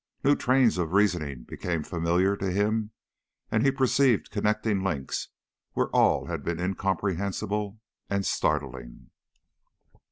New trains of reasoning became familiar to him, and he perceived connecting links where all had been incomprehensible and startling.